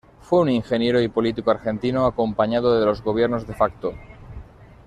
Fue un ingeniero y político argentino acompañado de los gobierno de facto.